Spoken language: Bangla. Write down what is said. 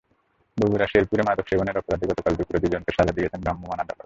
বগুড়ার শেরপুরে মাদক সেবনের অপরাধে গতকাল দুপুরে দুজনকে সাজা দিয়েছেন ভ্রাম্যমাণ আদালত।